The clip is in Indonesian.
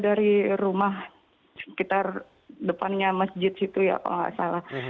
dari rumah sekitar depannya masjid situ ya kalau nggak salah